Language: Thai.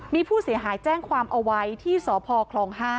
มีผู้เสียหายแจ้งความเอาไว้ที่สพคลอง๕